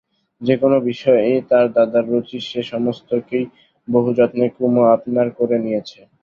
যে-কোনো বিষয়েই তার দাদার রুচি সে-সমস্তকেই বহু যত্নে কুমু আপনার করে নিয়েছে।